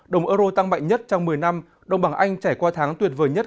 đồng euro tăng mạnh nhất trong một mươi năm đồng bằng anh trải qua tháng tuyệt vời nhất